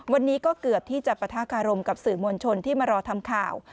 วันนี้ก็เกือบที่จะปะทะคารมกับสื่อมวลชนที่มารอทำข่าว